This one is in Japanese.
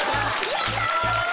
やったー！